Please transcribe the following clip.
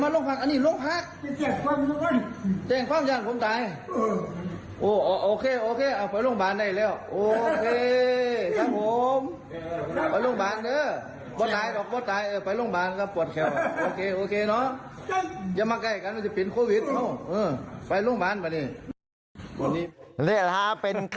และนี่ครับเป็นคดีแปลก